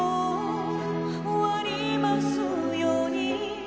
「終わりますように」